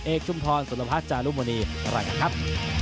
เอกจุมธรสุรพัชย์จารุมณีต่อไปกันครับ